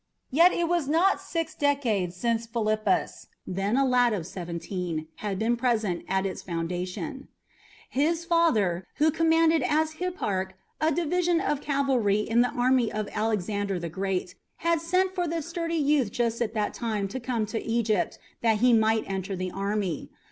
Yet it was not six decades since Philippus, then a lad of seventeen, had been present at its foundation. His father, who had commanded as hipparch a division of cavalry in the army of Alexander the Great, had sent for the sturdy youth just at that time to come to Egypt, that he might enter the army.